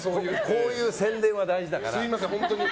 こういう宣伝は大事だから。